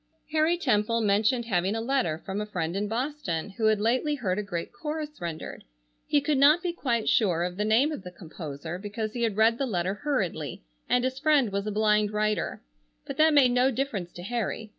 Harry Temple mentioned having a letter from a friend in Boston who had lately heard a great chorus rendered. He could not be quite sure of the name of the composer because he had read the letter hurriedly and his friend was a blind writer, but that made no difference to Harry.